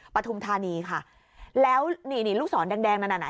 ปฐุมธานีค่ะแล้วนี่นี่ลูกศรแดงแดงนั่นน่ะ